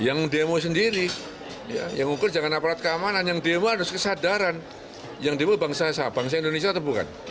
yang demo sendiri yang ukur jangan aparat keamanan yang demo harus kesadaran yang demo bangsa indonesia atau bukan